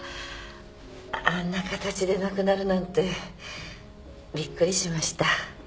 あんな形で亡くなるなんてびっくりしました。